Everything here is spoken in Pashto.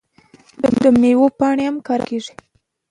د میوو پاڼې هم کارول کیږي.